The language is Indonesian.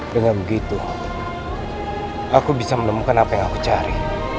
dengan begitu aku bisa menemukan apa yang aku cari